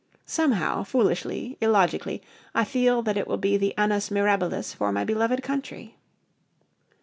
Somehow, foolishly, illogically, I feel that it will be the annus mirabilis for my beloved country.